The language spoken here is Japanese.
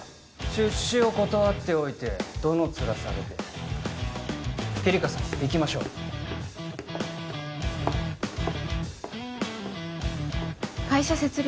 出資を断っておいてどのツラさげてキリカ様行きましょう会社設立